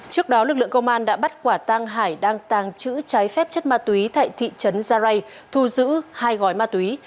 trước đó lực lượng công an đã bắt quả tăng hải đang tàng trữ trái phép chất ma túy tại thị trấn gia rai thu giữ hai gói ma túy